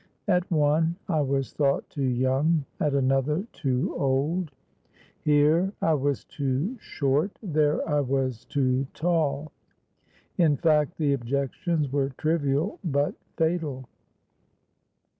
At one I was thought too young—at another too old: here I was too short—there I was too tall. In fact, the objections were trivial, but fatal.